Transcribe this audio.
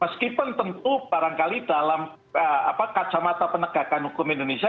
meskipun tentu barangkali dalam kacamata penegakan hukum indonesia